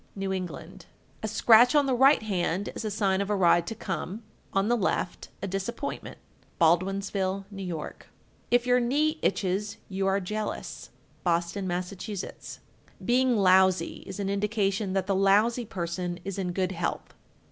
New England. 1367. A scratch on the right hand is a sign of a ride to come; on the left, a disappointment. Baldwinsville, N.Y. 1368. If your knee itches, you are jealous. Boston, Mass. 1369. Being lousy is an indication that the lousy person is in good health.